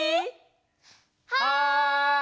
はい。